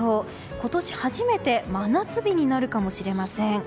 今年初めて真夏日になるかもしれません。